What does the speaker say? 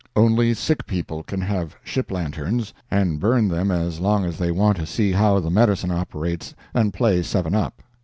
Only sick people can have ship lanterns, and burn them as long as they want to see how the medicine operates, and play seven up.